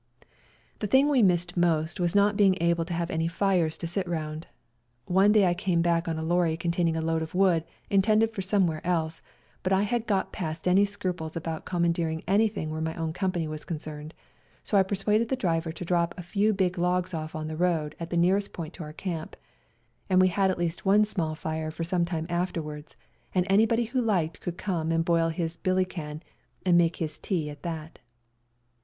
The thing we missed most was not being able to have any fires to sit round. One day I came back on a lorry containing a load of wood intended for somewhere else, but I had got past any scruples 214 WE GO TO CORFU about commandeering anything where my own company was concerned; so I per suaded the driver to drop a few big logs off on the road at the nearest point to our camp, and we had at least one small fire for some time afterwards, and any body who liked could come and boil his billy can and make his tea at that.